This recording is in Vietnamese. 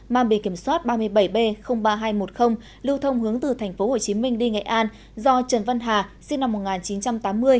mang bề kiểm soát ba mươi bảy b ba nghìn hai trăm một mươi lưu thông hướng từ tp hcm đi nghệ an do trần văn hà sinh năm một nghìn chín trăm tám mươi